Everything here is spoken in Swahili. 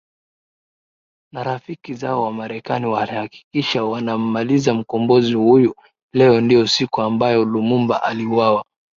na rafiki zao Wamerekani walihakikisha wanammaliza mkombozi huyu Leo ndio siku ambayo Lumumba aliuwawa